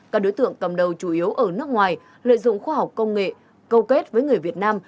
các đối tượng cầm đầu chủ yếu ở nước ngoài lợi dụng khoa học công nghệ câu kết với người việt nam